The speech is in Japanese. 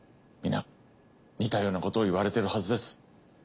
皆似たようなことを言われてるはずです。